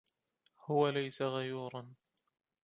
هو ليس غيورا.